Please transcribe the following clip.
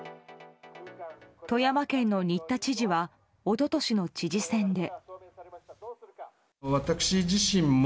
富山県の新田知事は一昨年の知事選で。